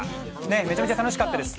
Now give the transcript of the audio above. めちゃめちゃ楽しかったです。